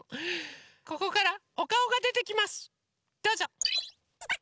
ここからおかおがでてきますどうぞ！